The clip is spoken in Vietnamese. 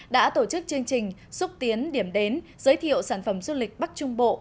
đã tổ chức chương trình xúc tiến điểm đến giới thiệu sản phẩm du lịch bắc trung bộ